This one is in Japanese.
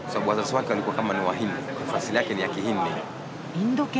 インド系。